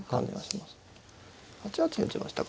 ８八に打ちましたか。